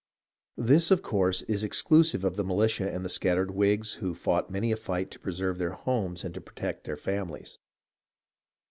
This, of course, is exclusive of the militia and the scattered Whigs, who fought many a fight to preserve their homes and to protect their families.